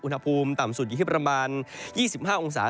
อุณหภูมิต่ำสุดอยู่ที่ประมาณ๒๕องศา